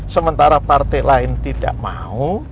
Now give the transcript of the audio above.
sementara partai lain tidak mau